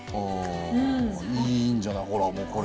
いいんじゃない、ほら、これ。